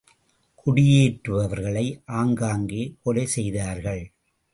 குடியேற்றுபவர்களை ஆங்காங்கே கொலைசெய்தார்கள்.